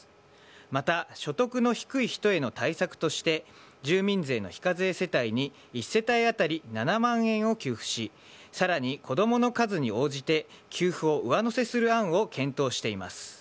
また、所得の低い人への対策として住民税の非課税世帯に１世帯当たり７万円を給付し更に子供の数に応じて給付を上乗せする案を検討しています。